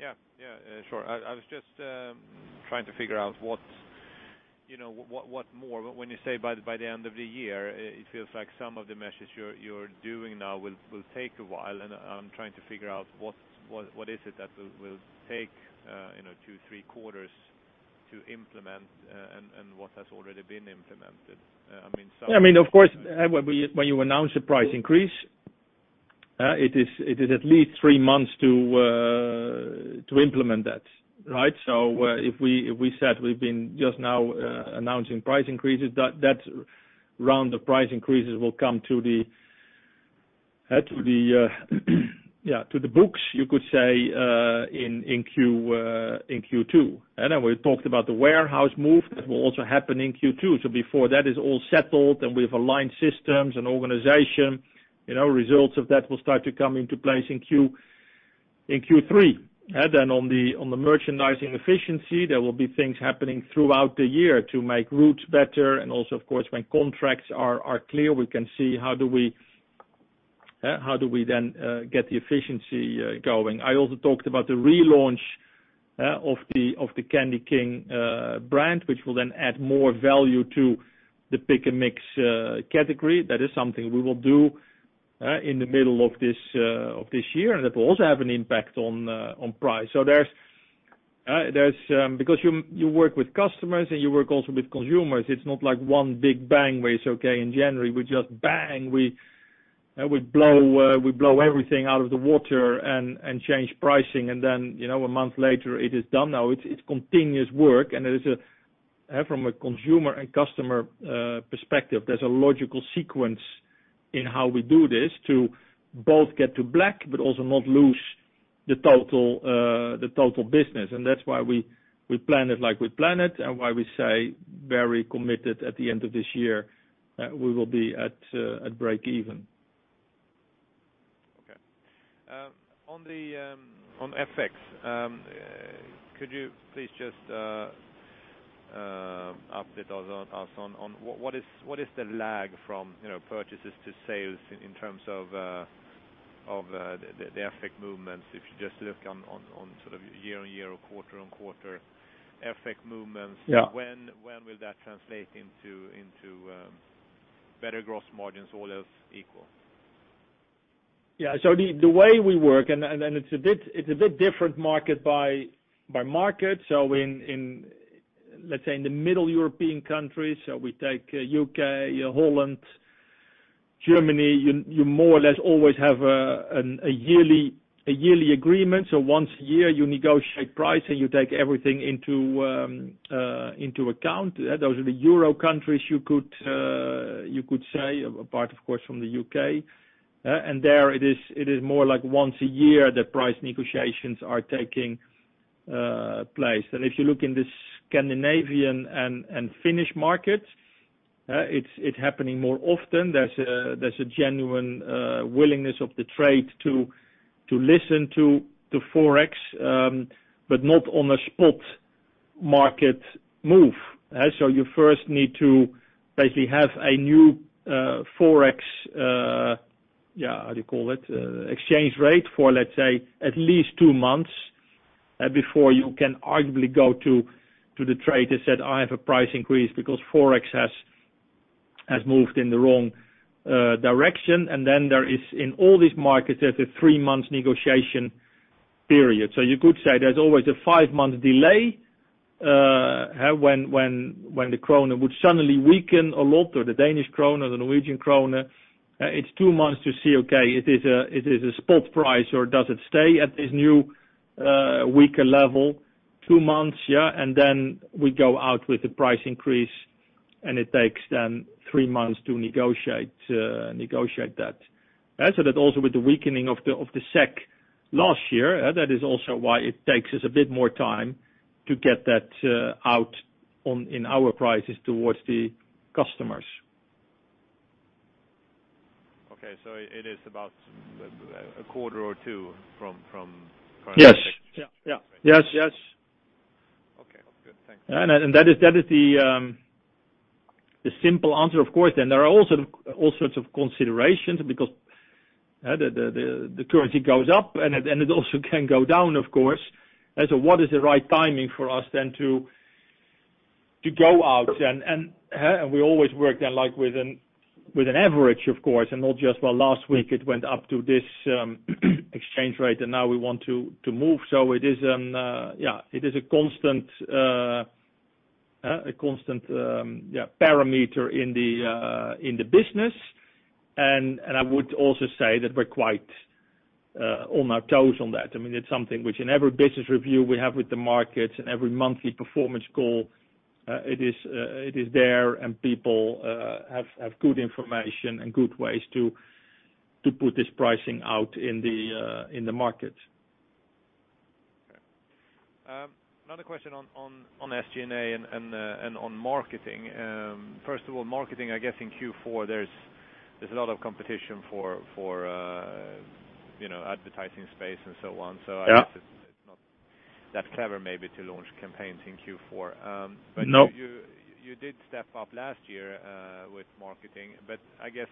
Speaker 6: Yeah. Yeah. Sure. I was just trying to figure out what more. But when you say by the end of the year, it feels like some of the measures you're doing now will take a while. And I'm trying to figure out what is it that will take two, three quarters to implement and what has already been implemented. I mean, some.
Speaker 2: Yeah. I mean, of course, when you announce a price increase, it is at least three months to implement that, right? So if we said we've been just now announcing price increases, that round of price increases will come to the, yeah, to the books, you could say, in Q2. And then we talked about the warehouse move that will also happen in Q2. So before that is all settled and we've aligned systems and organization, results of that will start to come into place in Q3. Then on the merchandising efficiency, there will be things happening throughout the year to make routes better. And also, of course, when contracts are clear, we can see how do we then get the efficiency going. I also talked about the relaunch of the Candyking brand, which will then add more value to the pick-and-mix category. That is something we will do in the middle of this year. And that will also have an impact on price. So because you work with customers and you work also with consumers, it's not like one big bang where it's okay in January. We just bang. We blow everything out of the water and change pricing. And then a month later, it is done. Now, it's continuous work. And from a consumer and customer perspective, there's a logical sequence in how we do this to both get to black but also not lose the total business. And that's why we plan it like we plan it and why we say very committed at the end of this year, we will be at breakeven.
Speaker 6: Okay. On FX, could you please just update us on what is the lag from purchases to sales in terms of the FX movements? If you just look on sort of year on year or quarter on quarter FX movements, when will that translate into better gross margins, all else equal?
Speaker 2: Yeah. So the way we work, and it's a bit different market by market. So let's say in the middle European countries, so we take U.K., the Netherlands, Germany, you more or less always have a yearly agreement. So once a year, you negotiate price and you take everything into account. Those are the Euro countries, you could say, apart, of course, from the U.K. And there, it is more like once a year that price negotiations are taking place. And if you look in the Scandinavian and Finnish markets, it's happening more often. There's a genuine willingness of the trade to listen to forex, but not on a spot market move. So you first need to basically have a new forex, yeah, how do you call it, exchange rate for, let's say, at least two months before you can arguably go to the trade and say, "I have a price increase because forex has moved in the wrong direction." And then there is, in all these markets, there's a three-month negotiation period. So you could say there's always a five-month delay when the krona would suddenly weaken a lot, or the Danish krona, the Norwegian krona. It's two months to see, okay, it is a spot price or does it stay at this new weaker level? Two months, yeah. And then we go out with the price increase, and it takes then three months to negotiate that. So that also with the weakening of the SEK last year, that is also why it takes us a bit more time to get that out in our prices towards the customers.
Speaker 6: Okay. So it is about a quarter or two from current. Yes. Yeah.
Speaker 3: Yeah.
Speaker 2: Yes. Yes.
Speaker 6: Okay. Good. Thanks.
Speaker 2: And that is the simple answer, of course. And there are also all sorts of considerations because the currency goes up, and it also can go down, of course. So what is the right timing for us then to go out? And we always work then with an average, of course, and not just, "Well, last week, it went up to this exchange rate, and now we want to move." So it is a, yeah, it is a constant, yeah, parameter in the business. And I would also say that we're quite on our toes on that. I mean, it's something which in every business review we have with the markets and every monthly performance call, it is there, and people have good information and good ways to put this pricing out in the markets.
Speaker 6: Okay. Another question on SG&A and on marketing. First of all, marketing, I guess in Q4, there's a lot of competition for advertising space and so on. So I guess it's not that clever maybe to launch campaigns in Q4. But you did step up last year with marketing. But I guess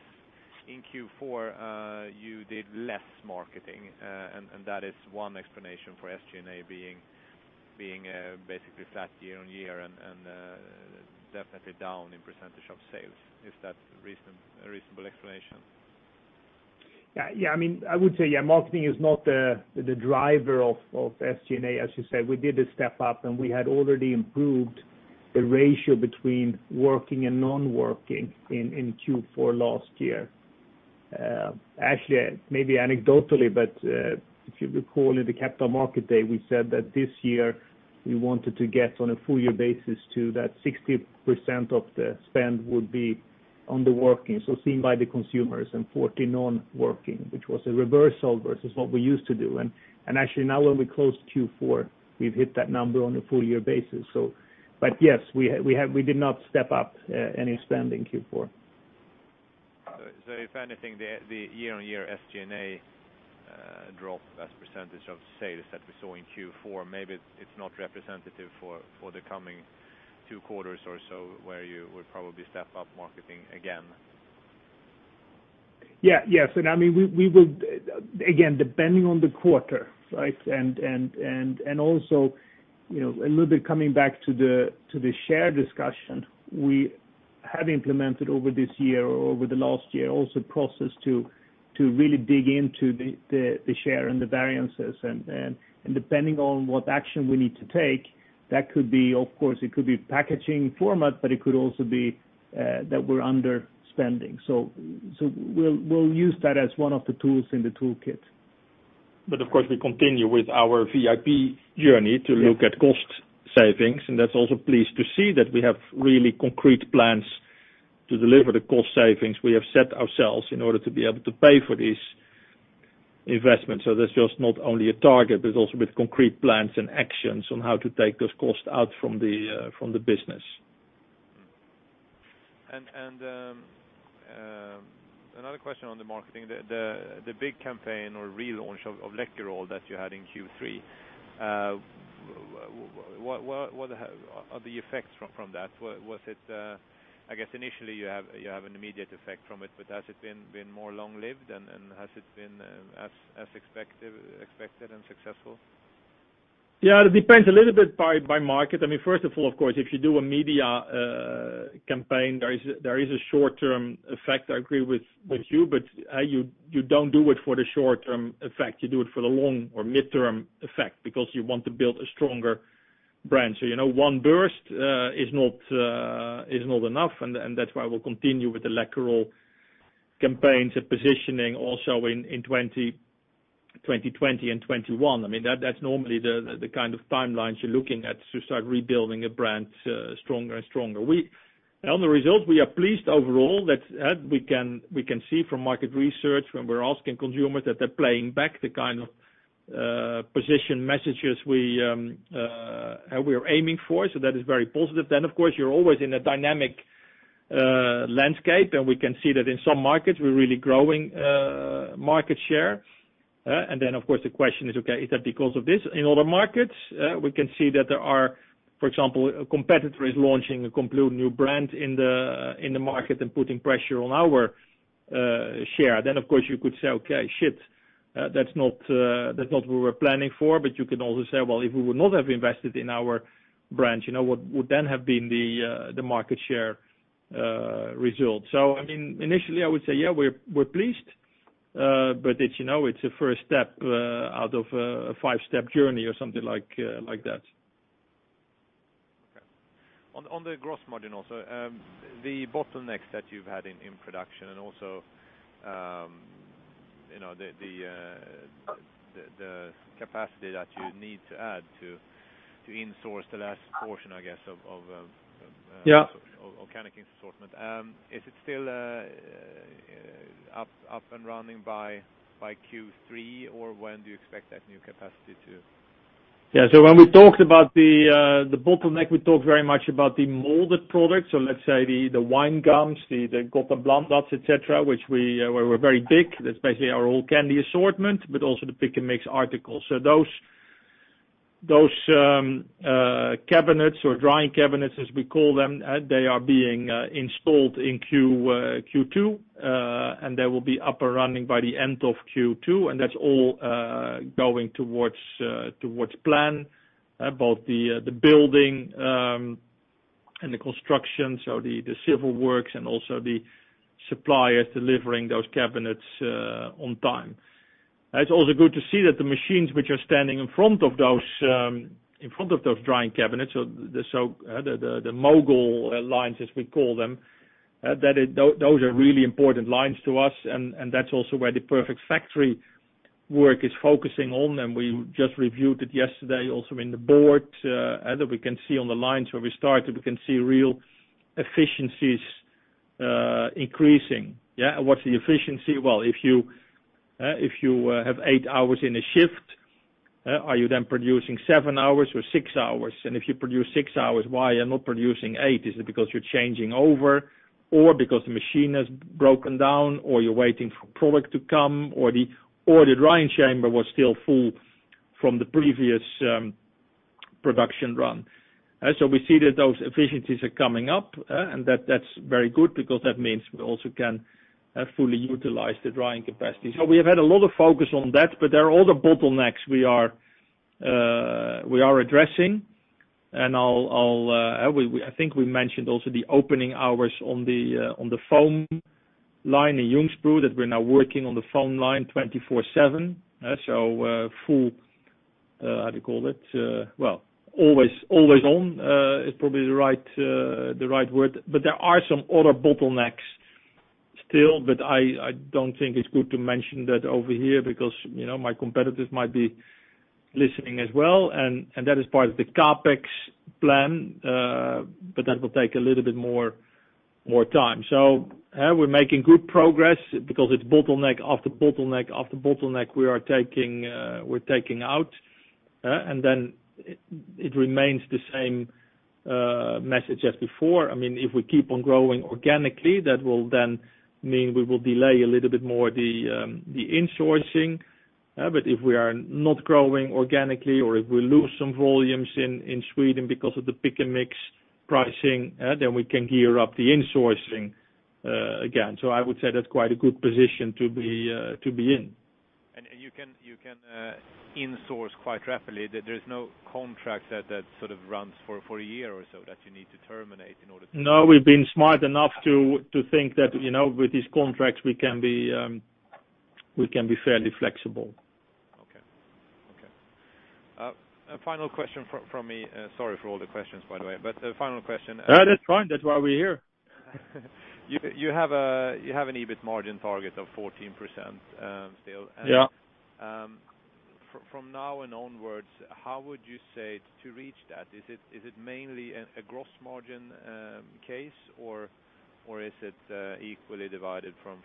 Speaker 6: in Q4, you did less marketing. And that is one explanation for SG&A being basically flat year on year and definitely down in percentage of sales. Is that a reasonable explanation?
Speaker 2: Yeah. Yeah. I mean, I would say, yeah, marketing is not the driver of SG&A. As you said, we did a step up, and we had already improved the ratio between working and non-working in Q4 last year. Actually, maybe anecdotally, but if you recall in the Capital Markets Day, we said that this year we wanted to get on a full-year basis to that 60% of the spend would be on the working, so seen by the consumers, and 40 non-working, which was a reversal versus what we used to do, and actually, now when we close Q4, we've hit that number on a full-year basis, but yes, we did not step up any spend in Q4.
Speaker 6: So if anything, the year-on-year SG&A drop as percentage of sales that we saw in Q4, maybe it's not representative for the coming two quarters or so where you would probably step up marketing again.
Speaker 2: Yeah. Yes. I mean, we would, again, depending on the quarter, right? Also a little bit coming back to the share discussion, we have implemented over this year or over the last year also process to really dig into the share and the variances. Depending on what action we need to take, that could be, of course, it could be packaging format, but it could also be that we're underspending. So we'll use that as one of the tools in the toolkit. Of course, we continue with our VIP journey to look at cost savings. That's also pleased to see that we have really concrete plans to deliver the cost savings we have set ourselves in order to be able to pay for this investment.
Speaker 3: That's just not only a target, but it's also with concrete plans and actions on how to take those costs out from the business.
Speaker 6: Another question on the marketing. The big campaign or relaunch of Läkerol that you had in Q3, what are the effects from that? Was it, I guess, initially you have an immediate effect from it, but has it been more long-lived? Has it been as expected and successful?
Speaker 2: Yeah. It depends a little bit by market. I mean, first of all, of course, if you do a media campaign, there is a short-term effect. I agree with you, but you don't do it for the short-term effect. You do it for the long or mid-term effect because you want to build a stronger brand. One burst is not enough. That's why we'll continue with the Läkerol campaigns and positioning also in 2020 and 2021. I mean, that's normally the kind of timelines you're looking at to start rebuilding a brand stronger and stronger. On the results, we are pleased overall that we can see from market research when we're asking consumers that they're playing back the kind of position messages we are aiming for. That is very positive. Of course, you're always in a dynamic landscape, and we can see that in some markets, we're really growing market share. Then, of course, the question is, okay, is that because of this? In other markets, we can see that there are, for example, a competitor is launching a complete new brand in the market and putting pressure on our share. Then, of course, you could say, "Okay, shit, that's not what we're planning for." But you can also say, "Well, if we would not have invested in our brand, what would then have been the market share result?" So I mean, initially, I would say, yeah, we're pleased, but it's a first step out of a five-step journey or something like that.
Speaker 6: Okay. On the gross margin also, the bottlenecks that you've had in production and also the capacity that you need to add to insource the last portion, I guess, of organic assortment, is it still up and running by Q3, or when do you expect that new capacity to?
Speaker 2: Yeah. So when we talked about the bottleneck, we talked very much about the molded products. So let's say the wine gums, the Gott & Blandat, etc., which were very big. That's basically our whole candy assortment, but also the pick and mix articles. So those cabinets or drying cabinets, as we call them, they are being installed in Q2, and they will be up and running by the end of Q2. And that's all going towards plan, both the building and the construction, so the civil works and also the suppliers delivering those cabinets on time. It's also good to see that the machines which are standing in front of those drying cabinets, so the mogul lines, as we call them, those are really important lines to us. And that's also where the Perfect Factory work is focusing on. And we just reviewed it yesterday also in the board that we can see on the lines where we started. We can see real efficiencies increasing. Yeah. What's the efficiency? If you have eight hours in a shift, are you then producing seven hours or six hours? If you produce six hours, why are you not producing eight? Is it because you're changing over, or because the machine has broken down, or you're waiting for product to come, or the drying chamber was still full from the previous production run? We see that those efficiencies are coming up, and that's very good because that means we also can fully utilize the drying capacity. We have had a lot of focus on that, but there are other bottlenecks we are addressing. I think we mentioned also the opening hours on the foam line in Ljungsbro that we're now working on the foam line 24/7. Full, how do you call it? Always on is probably the right word. But there are some other bottlenecks still, but I don't think it's good to mention that over here because my competitors might be listening as well. And that is part of the CapEx plan, but that will take a little bit more time. So we're making good progress because it's bottleneck after bottleneck after bottleneck we are taking out. And then it remains the same message as before. I mean, if we keep on growing organically, that will then mean we will delay a little bit more the insourcing. But if we are not growing organically or if we lose some volumes in Sweden because of the pick and mix pricing, then we can gear up the insourcing again. So I would say that's quite a good position to be in. And you can insource quite rapidly. There is no contract that sort of runs for a year or so that you need to terminate in order to. No, we've been smart enough to think that with these contracts, we can be fairly flexible.
Speaker 6: Okay. Okay. A final question from me. Sorry for all the questions, by the way. But a final question.
Speaker 2: That's fine. That's why we're here.
Speaker 6: You have an EBIT margin target of 14% still. And from now and onwards, how would you say to reach that? Is it mainly a gross margin case, or is it equally divided from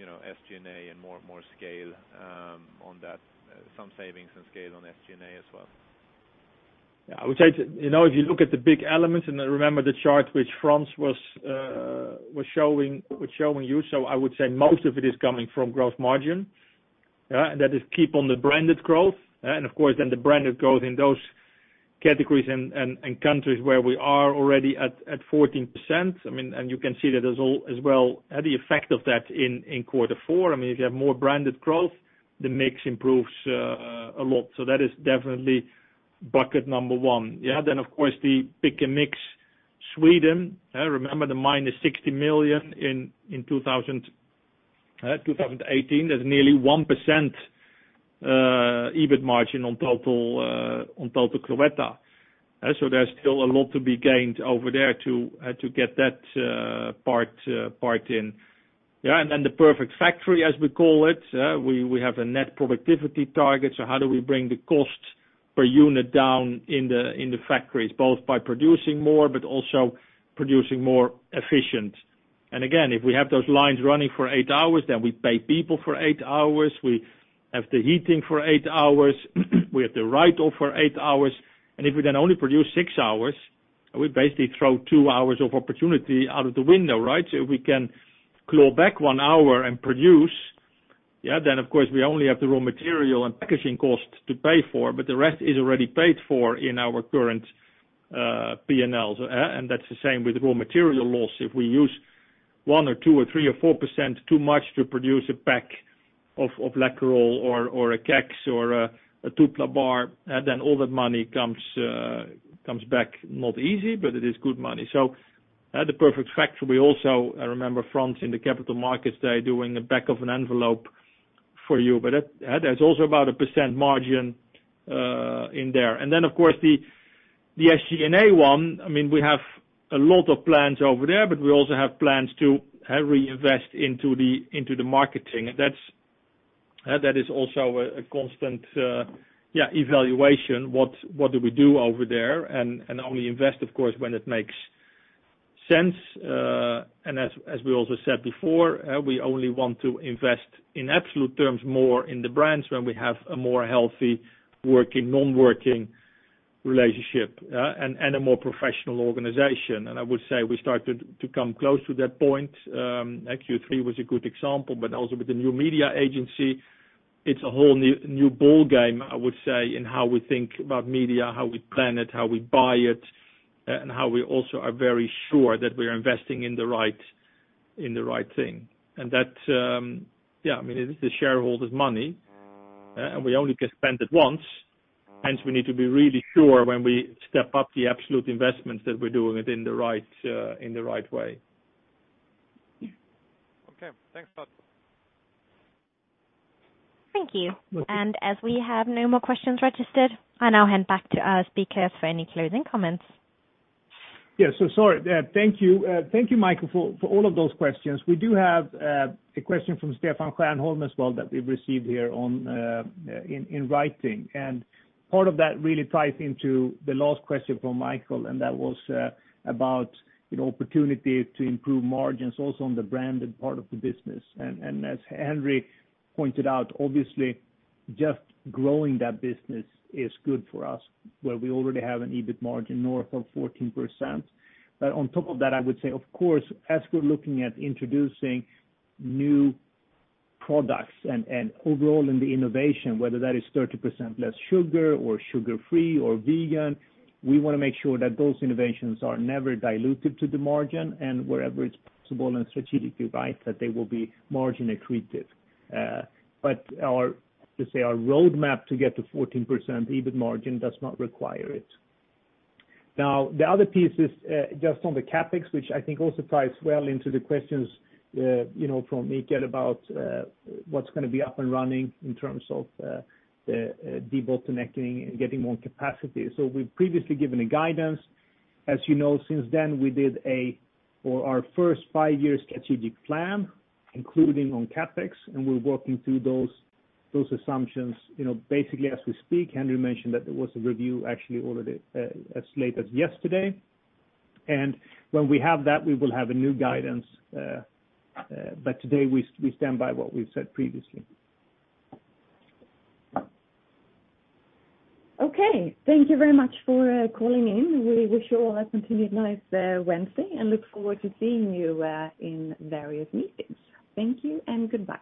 Speaker 6: SG&A and more scale on that, some savings and scale on SG&A as well?
Speaker 2: Yeah. I would say if you look at the big elements and remember the chart which Frans was showing you, so I would say most of it is coming from gross margin. And that is keep on the branded growth. And of course, then the branded growth in those categories and countries where we are already at 14%. I mean, and you can see that as well the effect of that in quarter four. I mean, if you have more branded growth, the mix improves a lot. So that is definitely bucket number one. Yeah. Then, of course, the pick and mix Sweden. Remember the -60 million in 2018? That's nearly 1% EBIT margin on total Cloetta. So there's still a lot to be gained over there to get that part in. Yeah. And then the Perfect Factory, as we call it. We have a net productivity target. So how do we bring the cost per unit down in the factories, both by producing more but also producing more efficient? And again, if we have those lines running for eight hours, then we pay people for eight hours. We have the heating for eight hours. We have the write-off for eight hours. And if we then only produce six hours, we basically throw two hours of opportunity out of the window, right? So if we can claw back one hour and produce, yeah, then of course, we only have the raw material and packaging cost to pay for, but the rest is already paid for in our current P&L. And that's the same with raw material loss. If we use 1% or 2% or 3% or 4% too much to produce a pack of Läkerol or a Kexchoklad or a Tupla bar, then all that money comes back not easy, but it is good money. So the Perfect Factory also, I remember Frans in the Capital Markets Day doing a back of an envelope for you. But there's also about a 1% margin in there. And then, of course, the SG&A one. I mean, we have a lot of plans over there, but we also have plans to reinvest into the marketing. That is also a constant, yeah, evaluation. What do we do over there? And only invest, of course, when it makes sense. And as we also said before, we only want to invest in absolute terms more in the brands when we have a more healthy working-non-working relationship and a more professional organization. And I would say we start to come close to that point. Q3 was a good example, but also with the new media agency, it's a whole new ball game, I would say, in how we think about media, how we plan it, how we buy it, and how we also are very sure that we are investing in the right thing. That, yeah, I mean, it is the shareholders' money, and we only can spend it once. Hence, we need to be really sure when we step up the absolute investments that we're doing it in the right way.
Speaker 6: Okay. Thanks, Scott.
Speaker 4: Thank you. And as we have no more questions registered, I now hand back to our speakers for any closing comments.
Speaker 3: Yeah. So sorry. Thank you. Thank you, Mikael, for all of those questions. We do have a question from Stefan Stjernholm as well that we've received here in writing. And part of that really ties into the last question from Mikael, and that was about opportunity to improve margins also on the branded part of the business. And as Henri pointed out, obviously, just growing that business is good for us where we already have an EBIT margin north of 14%. But on top of that, I would say, of course, as we're looking at introducing new products and overall in the innovation, whether that is 30% less sugar or sugar-free or vegan, we want to make sure that those innovations are never diluted to the margin. And wherever it's possible and strategically right, that they will be margin accretive. But to say our roadmap to get to 14% EBIT margin does not require it. Now, the other piece is just on the CapEx, which I think also ties well into the questions from Mikael about what's going to be up and running in terms of the bottlenecking and getting more capacity. So we've previously given a guidance. As you know, since then, we did our first five-year strategic plan, including on CapEx, and we're working through those assumptions basically as we speak. Henri mentioned that there was a review actually already as late as yesterday. And when we have that, we will have a new guidance. But today, we stand by what we've said previously.
Speaker 4: Okay. Thank you very much for calling in. We wish you all a continued nice Wednesday and look forward to seeing you in various meetings. Thank you and goodbye.